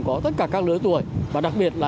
có tất cả các lứa tuổi và đặc biệt là